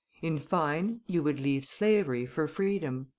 In fine, you would leave slavery for freedom."